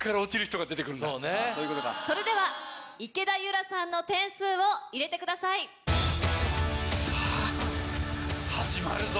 それでは池田裕楽さんの点数を入れてください。始まるぞ！